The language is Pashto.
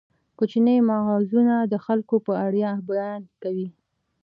کوچني مغزونه د خلکو په اړه بیان کوي.